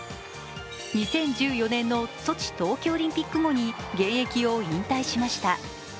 ２０１４年のソチ冬季オリンピック後に現役を引退しました。